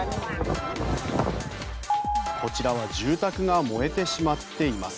こちらは住宅が燃えてしまっています。